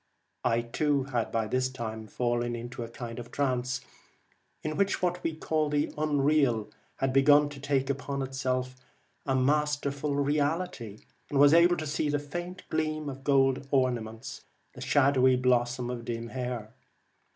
I too had by this time fallen into a kind of trance, in which what we call the unreal had begun to take upon itself a masterful reality, and was able to see the faint gleam of golden ornaments, the shadowy blossom of dim hair.